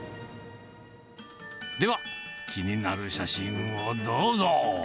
では、気になる写真をどうぞ。